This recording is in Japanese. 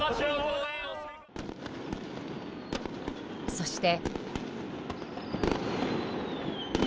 そして。